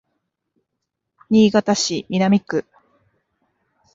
新潟市南区